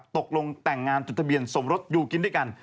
ตกลงแต่งงานจดทะเบียนสมรสอยู่กินด้วยกัน